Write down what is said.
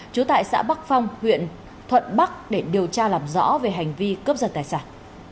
trú tại xã bắc phong huyện thuận bắc để điều tra làm rõ về hành vi cướp giật tài sản